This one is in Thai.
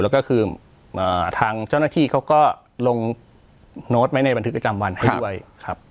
แล้วก็คือทางเจ้าหน้าที่เขาก็ลงโน้ตไว้ในบันทึกประจำวันไว้ด้วยครับ